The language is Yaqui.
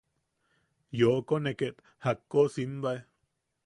Yooko ne ket jakko simbae.